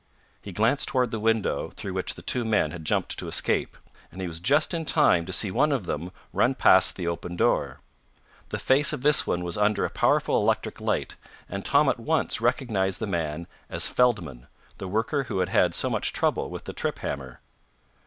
He glanced toward the window through which the two men had jumped to escape, and he was just in time to see one of them run past the open door. The face of this one was under a powerful electric light, and Tom at once recognized the man as Feldman, the worker who had had so much trouble with the trip hammer.